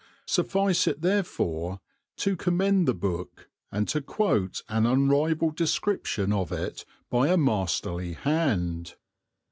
Suffice it therefore to commend the book, and to quote an unrivalled description of it by a masterly hand.